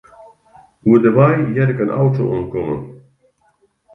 Oer de wei hear ik in auto oankommen.